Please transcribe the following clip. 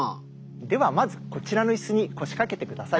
ではまずこちらのいすに腰掛けてください。